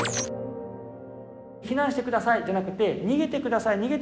「避難してください」じゃなくて「にげてください。